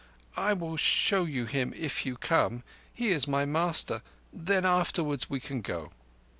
"I will show you him if you come. He is my master. Then afterwards we can go."